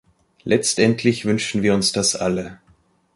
Letztendlich wünschen wir uns das alle.